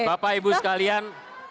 bapak ibu sekalian